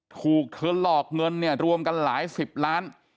ถูกเธอหลอกเงินเนี่ยรวมกันหลายสิบล้าน